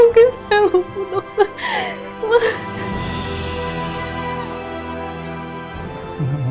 enggak mungkin saya lupu dokter